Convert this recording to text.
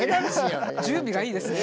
準備がいいですね。